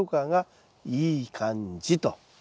いい感じ。